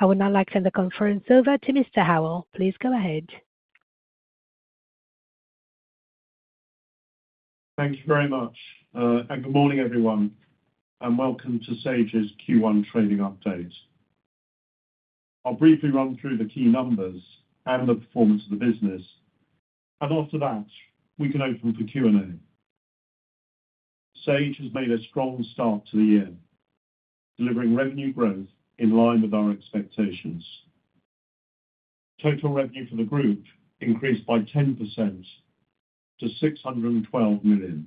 I would now like to turn the conference over to Mr. Howell. Please go ahead. Thank you very much, and good morning, everyone, and welcome to Sage's Q1 trading update. I'll briefly run through the key numbers and the performance of the business, and after that, we can open for Q&A. Sage has made a strong start to the year, delivering revenue growth in line with our expectations. Total revenue for the group increased by 10% to 612 million,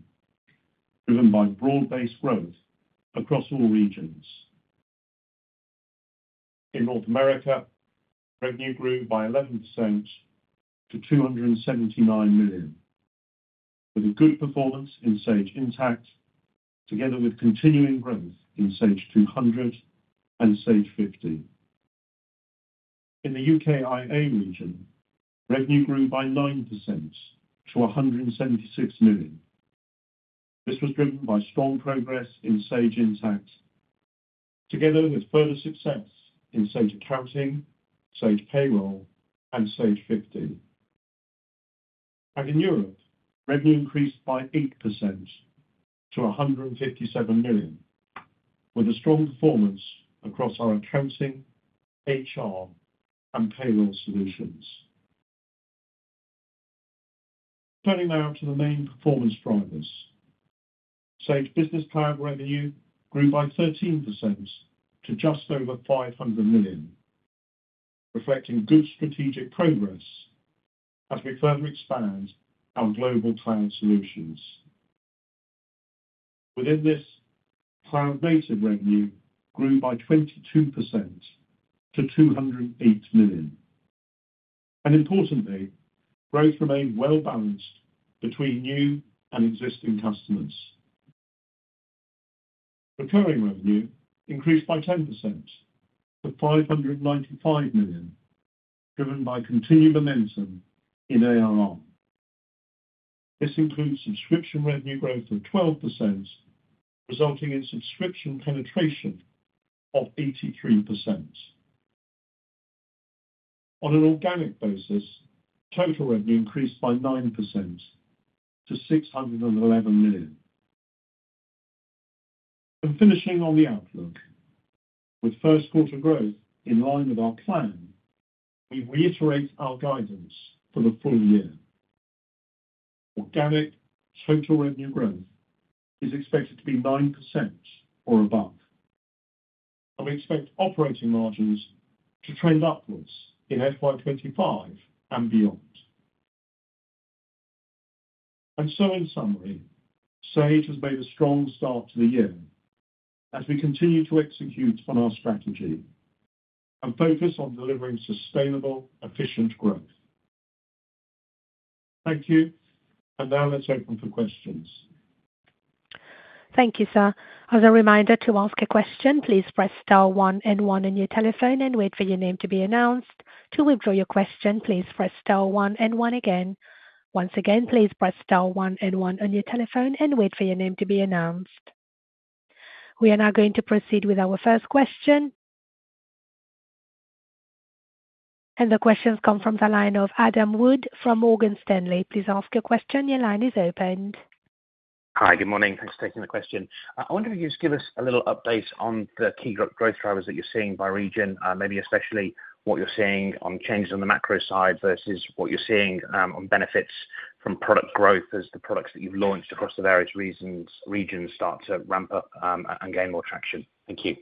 driven by broad-based growth across all regions. In North America, revenue grew by 11% to 279 million, with a good performance in Sage Intacct, together with continuing growth in Sage 200 and Sage 50. In the UKIA region, revenue grew by 9% to 176 million. This was driven by strong progress in Sage Intacct, together with further success in Sage Accounting, Sage Payroll, and Sage 50. In Europe, revenue increased by 8% to 157 million, with a strong performance across our Accounting, HR, and Payroll solutions. Turning now to the main performance drivers, Sage's platform revenue grew by 13% to just over 500 million, reflecting good strategic progress as we further expand our global cloud solutions. Within this, cloud-native revenue grew by 22% to 208 million. Importantly, growth remained well-balanced between new and existing customers. Recurring revenue increased by 10% to 595 million, driven by continued momentum in ARR. This includes subscription revenue growth of 12%, resulting in subscription penetration of 83%. On an organic basis, total revenue increased by 9% to 611 million. Finishing on the outlook, with first-quarter growth in line with our plan, we reiterate our guidance for the full year. Organic total revenue growth is expected to be 9% or above, and we expect operating margins to trend upwards in FY 2025 and beyond. And so, in summary, Sage has made a strong start to the year as we continue to execute on our strategy and focus on delivering sustainable, efficient growth. Thank you, and now let's open for questions. Thank you, sir. As a reminder to ask a question, please press star one and one on your telephone and wait for your name to be announced. To withdraw your question, please press star one and one again. Once again, please press star one and one on your telephone and wait for your name to be announced. We are now going to proceed with our first question, and the questions come from the line of Adam Wood from Morgan Stanley. Please ask your question. Your line is open. Hi, good morning. Thanks for taking the question. I wonder if you could just give us a little update on the key growth drivers that you're seeing by region, maybe especially what you're seeing on changes on the macro side versus what you're seeing, on benefits from product growth as the products that you've launched across the various regions start to ramp up, and gain more traction. Thank you.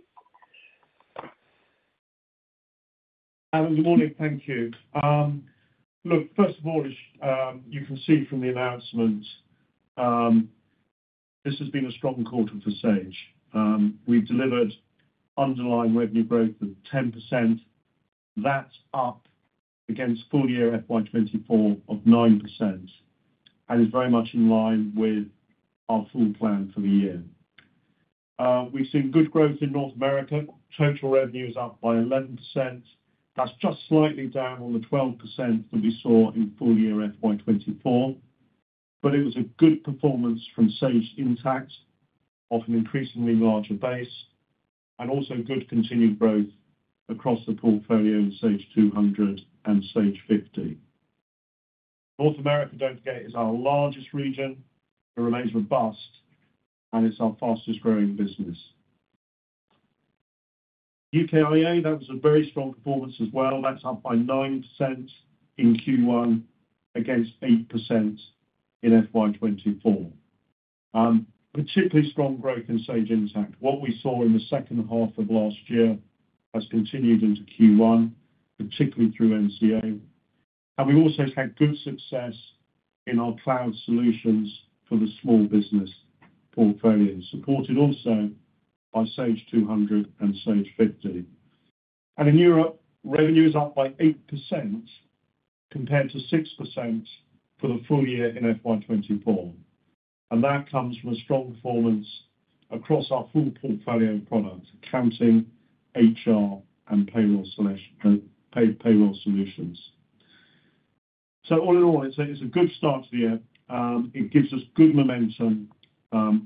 Good morning. Thank you. Look, first of all, as you can see from the announcements, this has been a strong quarter for Sage. We've delivered underlying revenue growth of 10%. That's up against full-year FY 2024 of 9%, and it's very much in line with our full plan for the year. We've seen good growth in North America. Total revenue is up by 11%. That's just slightly down on the 12% that we saw in full-year FY 2024, but it was a good performance from Sage Intacct off an increasingly larger base and also good continued growth across the portfolio in Sage 200 and Sage 50. North America, don't forget, is our largest region. It remains robust, and it's our fastest-growing business. UKIA, that was a very strong performance as well. That's up by 9% in Q1 against 8% in FY 2024. Particularly strong growth in Sage Intacct. What we saw in the second half of last year has continued into Q1, particularly through NCA. And we've also had good success in our cloud solutions for the small business portfolio, supported also by Sage 200 and Sage 50. And in Europe, revenue is up by 8% compared to 6% for the full year in FY 2024. And that comes from a strong performance across our full portfolio of products, Accounting, HR, and Payroll solutions. So all in all, it's a good start to the year. It gives us good momentum,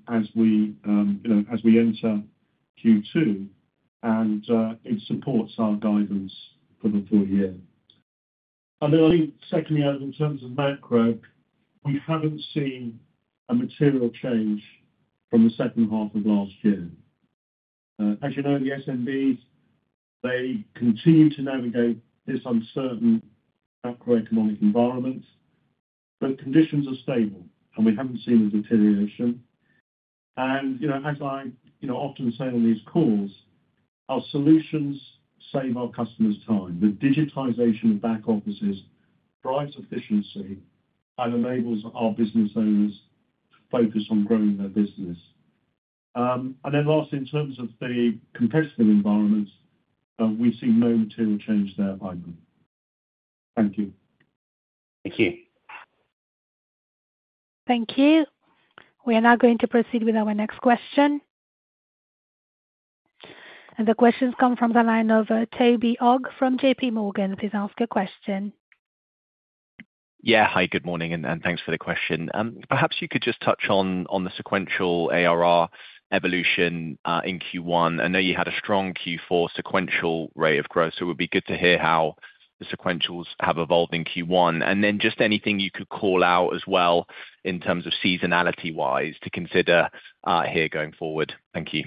as we, you know, as we enter Q2, and it supports our guidance for the full year. And then I think, secondly, in terms of macro, we haven't seen a material change from the second half of last year. As you know, the SMBs, they continue to navigate this uncertain macroeconomic environment, but conditions are stable, and we haven't seen a deterioration. And, you know, as I, you know, often say on these calls, our solutions save our customers time. The digitization of back offices drives efficiency and enables our business owners to focus on growing their business. And then lastly, in terms of the competitive environment, we've seen no material change there either. Thank you. Thank you. Thank you. We are now going to proceed with our next question, and the questions come from the line of Toby Ogg from JPMorgan. Please ask a question. Yeah. Hi, good morning, and thanks for the question. Perhaps you could just touch on the sequential ARR evolution in Q1. I know you had a strong Q4 sequential rate of growth, so it would be good to hear how the sequentials have evolved in Q1. Then just anything you could call out as well in terms of seasonality-wise to consider here going forward. Thank you.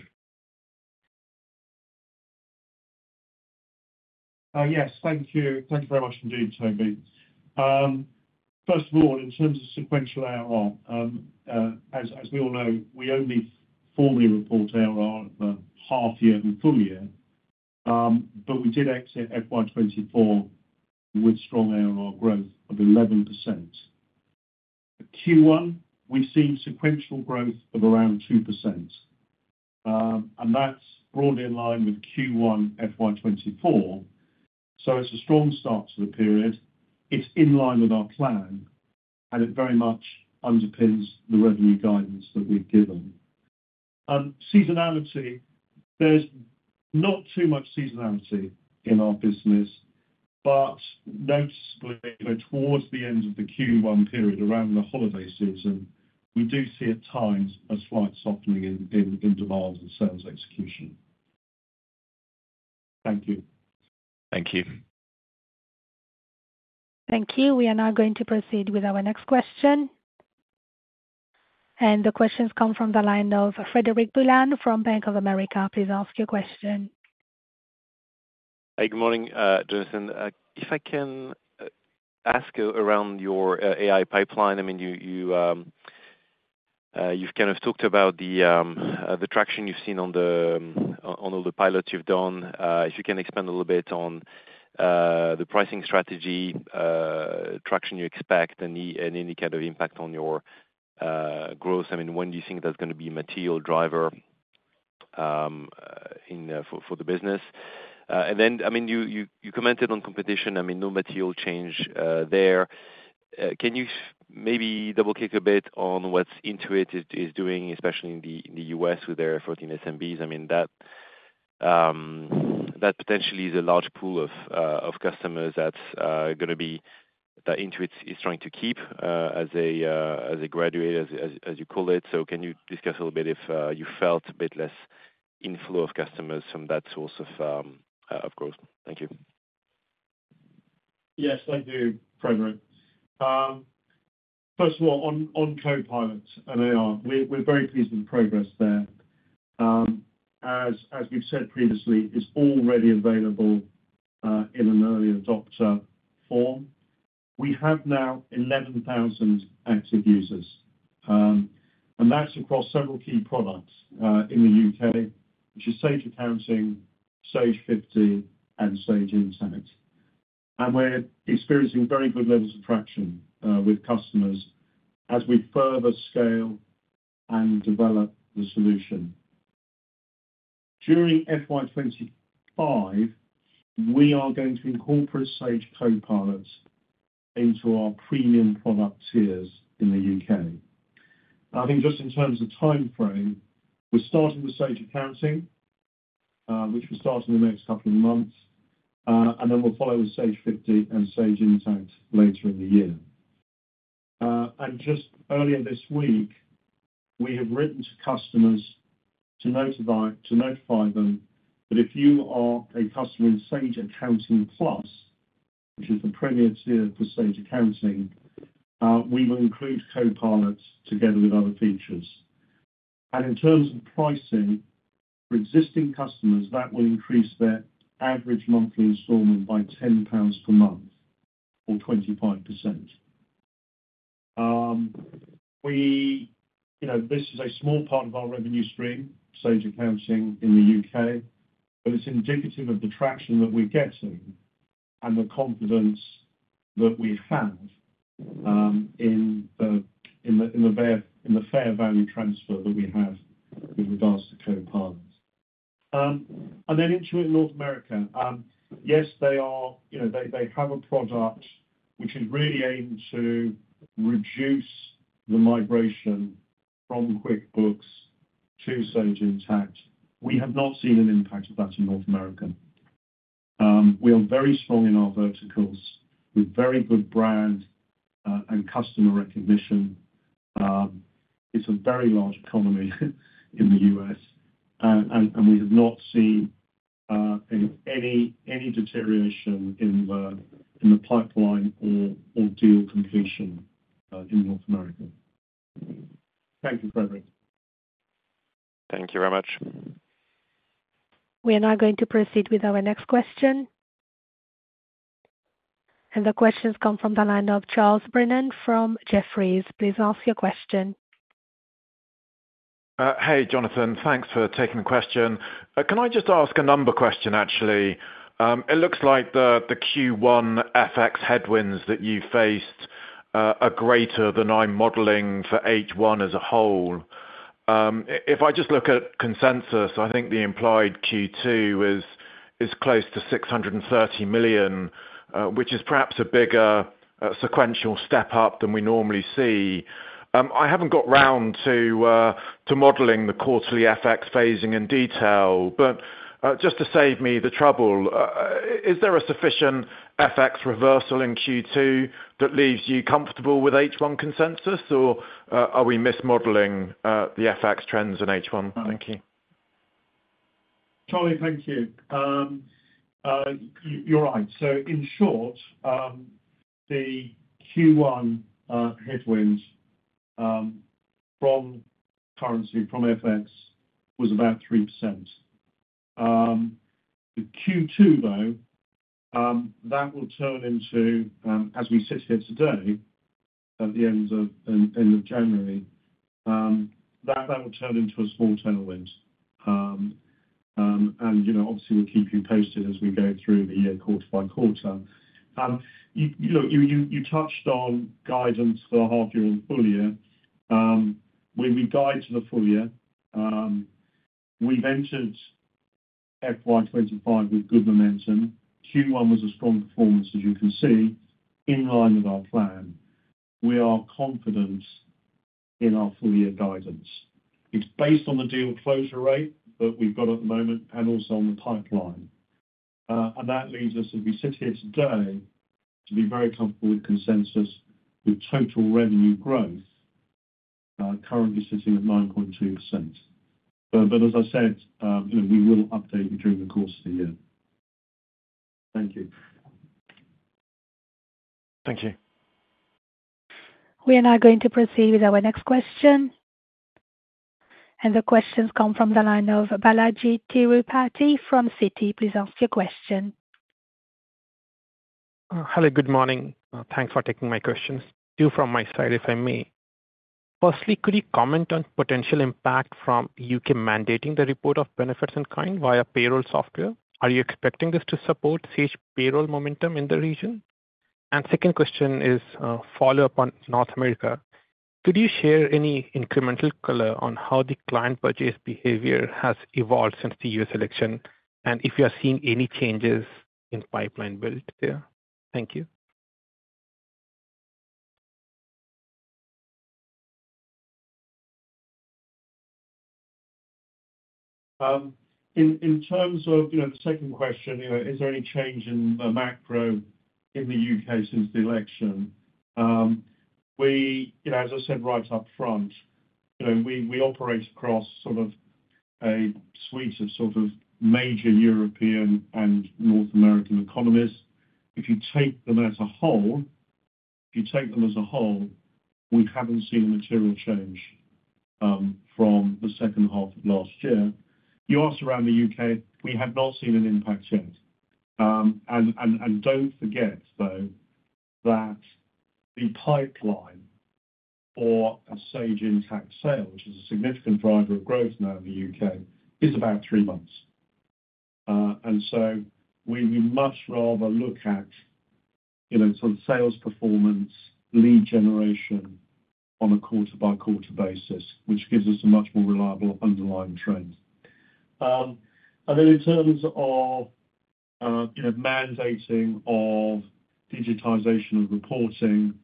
Yes, thank you. Thank you very much indeed, Toby. First of all, in terms of sequential ARR, as we all know, we only formally report ARR half-year and full year, but we did exit FY 2024 with strong ARR growth of 11%. Q1, we've seen sequential growth of around 2%. And that's broadly in line with Q1 FY 2024, so it's a strong start to the period. It's in line with our plan, and it very much underpins the revenue guidance that we've given. Seasonality, there's not too much seasonality in our business, but noticeably, you know, towards the end of the Q1 period, around the holiday season, we do see at times a slight softening in demand and sales execution. Thank you. Thank you. Thank you. We are now going to proceed with our next question, and the questions come from the line of Frederic Boulan from Bank of America. Please ask your question. Hey, good morning, Jonathan. If I can ask about your AI pipeline. I mean, you've kind of talked about the traction you've seen on all the pilots you've done. If you can expand a little bit on the pricing strategy, traction you expect, and any kind of impact on your growth. I mean, when do you think that's gonna be a material driver in for the business? And then, I mean, you commented on competition. I mean, no material change there. Can you maybe double-click a bit on what Intuit is doing, especially in the U.S. with their 14 SMBs? I mean, that potentially is a large pool of customers that's gonna be that Intuit is trying to keep, as a graduate, as you call it. So can you discuss a little bit if you felt a bit less inflow of customers from that source of growth? Thank you. Yes, thank you, Frederic. First of all, on Copilots and ARR, we're very pleased with the progress there. As we've said previously, it's already available in an early adopter form. We have now 11,000 active users, and that's across several key products in the U.K., which is Sage Accounting, Sage 50, and Sage Intacct. We're experiencing very good levels of traction with customers as we further scale and develop the solution. During FY 2025, we are going to incorporate Sage Copilots into our premium product tiers in the U.K. I think just in terms of timeframe, we're starting with Sage Accounting, which we're starting in the next couple of months, and then we'll follow with Sage 50 and Sage Intacct later in the year. Just earlier this week, we have written to customers to notify them that if you are a customer in Sage Accounting Plus, which is the premier tier for Sage Accounting, we will include Copilots together with other features. And in terms of pricing for existing customers, that will increase their average monthly installment by 10 pounds per month or 25%. We, you know, this is a small part of our revenue stream, Sage Accounting in the U.K., but it's indicative of the traction that we're getting and the confidence that we have in the fair value transfer that we have with regards to Copilots. And then Intuit North America, yes, they are, you know, they have a product which is really aimed to reduce the migration from QuickBooks to Sage Intacct. We have not seen an impact of that in North America. We are very strong in our verticals. We're very good brand, and customer recognition. It's a very large economy in the U.S., and we have not seen any deterioration in the pipeline or deal completion in North America. Thank you, Frederic. Thank you very much. We are now going to proceed with our next question. The questions come from the line of Charles Brennan from Jefferies. Please ask your question. Hey, Jonathan. Thanks for taking the question. Can I just ask a number question, actually? It looks like the Q1 FX headwinds that you faced are greater than I'm modeling for H1 as a whole. If I just look at consensus, I think the implied Q2 is close to 630 million, which is perhaps a bigger sequential step up than we normally see. I haven't got round to modeling the quarterly FX phasing in detail, but just to save me the trouble, is there a sufficient FX reversal in Q2 that leaves you comfortable with H1 consensus, or are we mismodeling the FX trends in H1? Thank you. Charlie, thank you. You're right. So in short, the Q1 headwinds from currency from FX was about 3%. The Q2 though that will turn into as we sit here today at the end of January that will turn into a small tailwind. And you know obviously we'll keep you posted as we go through the year quarter by quarter. You know you touched on guidance for the half-year and full-year. When we guide to the full year, we've entered FY 2025 with good momentum. Q1 was a strong performance, as you can see, in line with our plan. We are confident in our full-year guidance. It's based on the deal closure rate that we've got at the moment and also on the pipeline. And that leaves us, as we sit here today, to be very comfortable with consensus with total revenue growth, currently sitting at 9.2%. But as I said, you know, we will update you during the course of the year. Thank you. Thank you. We are now going to proceed with our next question. And the question comes from the line of Balajee Tirupati from Citi. Please ask your question. Hello, good morning. Thanks for taking my question. Two from my side, if I may. Firstly, could you comment on potential impact from U.K. mandating the report of benefits in kind via payroll software? Are you expecting this to support Sage Payroll momentum in the region? And second question is, follow-up on North America. Could you share any incremental color on how the client purchase behavior has evolved since the U.S. election, and if you are seeing any changes in pipeline build there? Thank you. In terms of the second question, you know, is there any change in the macro in the U.K since the election? We, you know, as I said right up front, you know, operate across sort of a suite of sort of major European and North American economies. If you take them as a whole, we haven't seen a material change from the second half of last year. You asked around the U.K., we have not seen an impact yet. Don't forget, though, that the pipeline for a Sage Intacct sale, which is a significant driver of growth now in the U.K., is about three months. So we much rather look at, you know, sort of sales performance, lead generation on a quarter-by-quarter basis, which gives us a much more reliable underlying trend. And then in terms of, you know, mandating of digitization of reporting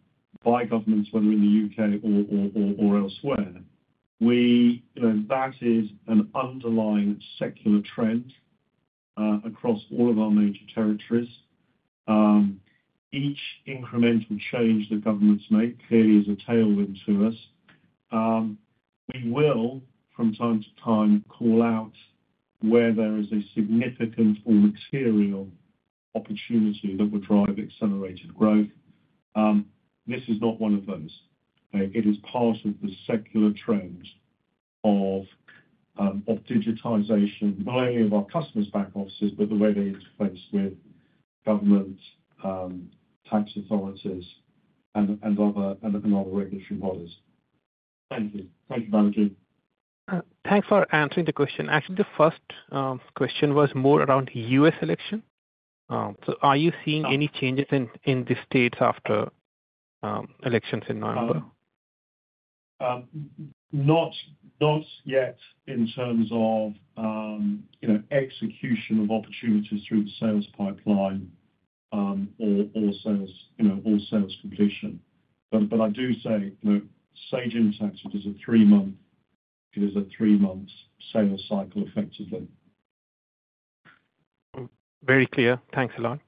by governments, whether in the U.K. or elsewhere, we, you know, that is an underlying secular trend, across all of our major territories. Each incremental change that governments make clearly is a tailwind to us. We will, from time to time, call out where there is a significant or material opportunity that would drive accelerated growth. This is not one of those. It is part of the secular trend of digitization, not only of our customers' back offices, but the way they interface with government, tax authorities, and other regulatory bodies. Thank you. Thank you, Balajee. Thanks for answering the question. Actually, the first question was more around U.S. election, so are you seeing any changes in the states after elections in November? Not, not yet in terms of, you know, execution of opportunities through the sales pipeline, or, or sales, you know, or sales completion. But, but I do say, you know, Sage Intacct, it is a three-month, it is a three-month sales cycle effectively. Very clear. Thanks a lot.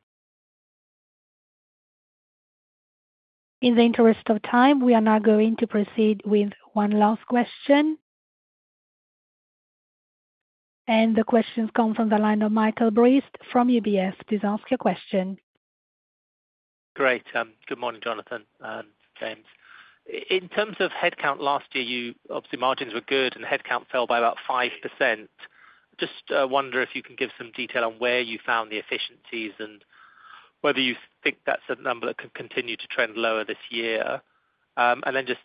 In the interest of time, we are now going to proceed with one last question, and the questions come from the line of Michael Briest from UBS. Please ask your question. Great. Good morning, Jonathan and James. In terms of headcount last year, your margins were good, and headcount fell by about 5%. Just wonder if you can give some detail on where you found the efficiencies and whether you think that's a number that could continue to trend lower this year. Then just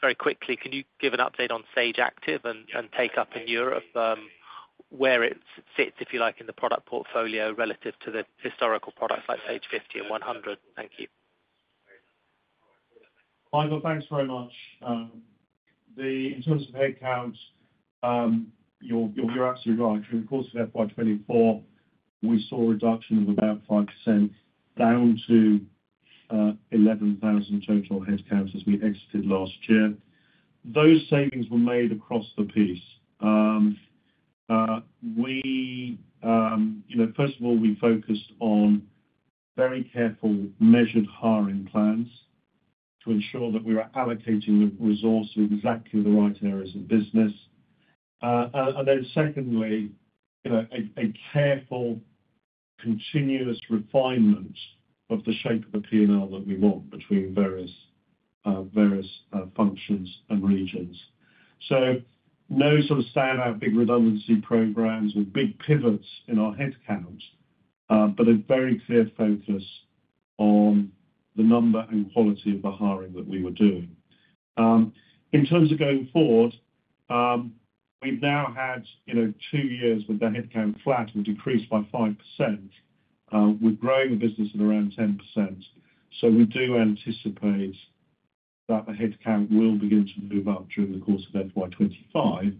very quickly, can you give an update on Sage Active and take up in Europe, where it sits, if you like, in the product portfolio relative to the historical products like Sage 50 and 100? Thank you. Michael, thanks very much. Then in terms of headcount, you're absolutely right. In the course of FY 2024, we saw a reduction of about 5% down to 11,000 total headcounts as we exited last year. Those savings were made across the piece. You know, first of all, we focused on very careful measured hiring plans to ensure that we were allocating the resources exactly in the right areas of business. And then secondly, you know, a careful continuous refinement of the shape of the P&L that we want between various functions and regions. So no sort of standout big redundancy programs or big pivots in our headcount, but a very clear focus on the number and quality of the hiring that we were doing. In terms of going forward, we've now had, you know, two years with the headcount flat and decreased by 5%. We're growing the business at around 10%. So we do anticipate that the headcount will begin to move up during the course of FY 2025.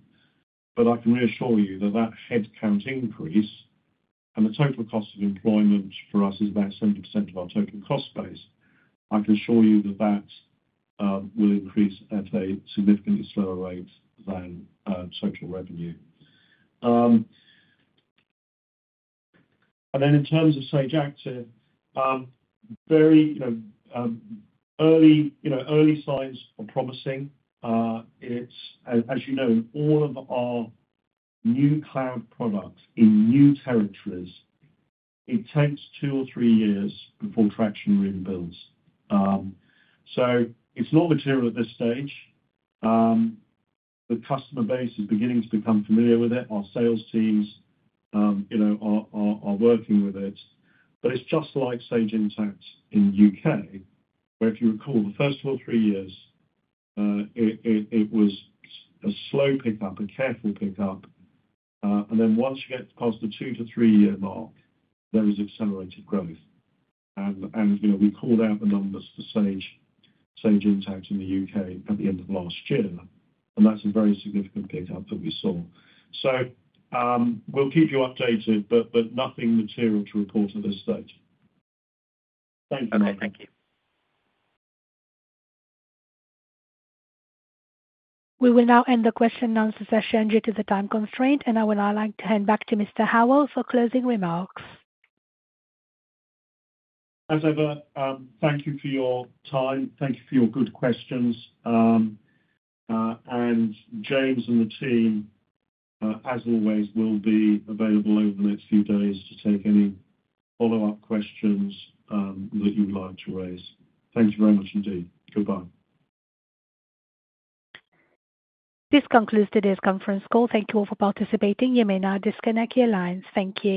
But I can reassure you that that headcount increase and the total cost of employment for us is about 70% of our total cost base. I can assure you that that will increase at a significantly slower rate than total revenue. And then in terms of Sage Active, very, you know, early signs are promising. It's, as you know, in all of our new cloud products in new territories, it takes two or three years before traction really builds. So it's not material at this stage. The customer base is beginning to become familiar with it. Our sales teams, you know, are working with it. But it's just like Sage Intacct in the U.K., where if you recall, the first two or three years, it was a slow pickup, a careful pickup. And then once you get past the two to three-year mark, there was accelerated growth. And you know, we called out the numbers for Sage Intacct in the U.K. at the end of last year. And that's a very significant pickup that we saw. So, we'll keep you updated, but nothing material to report at this stage. Thank you. Thank you. We will now end the question-and-answer session due to the time constraint, and I would now like to hand back to Mr. Howell for closing remarks. As ever, thank you for your time. Thank you for your good questions. And James and the team, as always, will be available over the next few days to take any follow-up questions, that you would like to raise. Thank you very much indeed. Goodbye. This concludes today's conference call. Thank you all for participating. You may now disconnect your lines. Thank you.